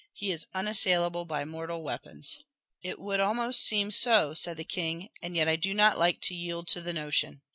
He is unassailable by mortal weapons." "It would almost seem so," said the king. "And yet I do not like to yield to the notion."